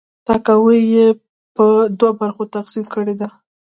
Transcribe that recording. تاکاوی یې په دوه برخو تقسیم کړې ده.